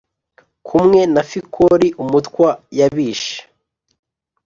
kumwe na Fikoli umutwa yabishe